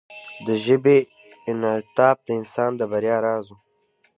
د ژبې انعطاف د انسان د بریا راز و.